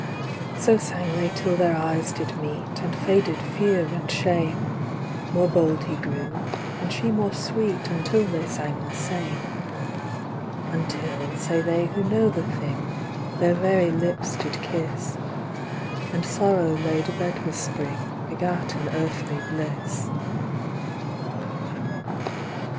So sang they till their eyes did meet, And faded fear and shame; More bold he grew, and she more sweet, Until they sang the same. Until, say they who know the thing, Their very lips did kiss, And Sorrow laid abed with Spring Begat an earthly bliss.